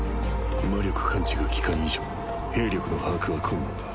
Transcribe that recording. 魔力感知が利かん以上兵力の把握は困難だ